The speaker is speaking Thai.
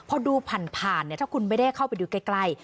พอดูผ่านถ้าคุณไม่ได้เข้าไปดูใกล้